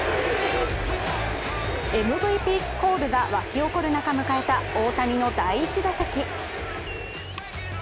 ＭＶＰコールが沸き起こる中迎えた大谷の第１打席。